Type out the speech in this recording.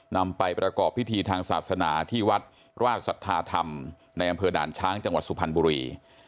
นำไปประกอบพิธีทางศาสนาที่วัดราชสัทธาธรรมในอำเภอด่านช้างจังหวัดสุพรรณบุรี